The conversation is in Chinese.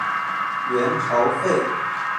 元朝废。